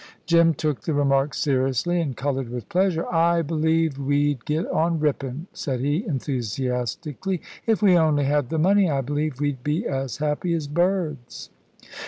Jim took the remark seriously, and coloured with pleasure. "I believe we'd get on rippin'," said he, enthusiastically. "If we only had the money I believe we'd be as happy as birds."